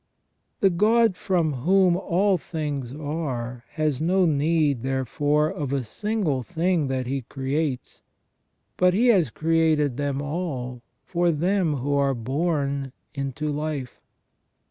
The God from whom all things are has no need, therefore, of a single thing that He creates, but He has created them all for them who are born into life.